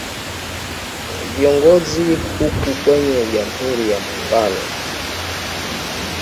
a viongozi huku kwenye jamhuri ya muungano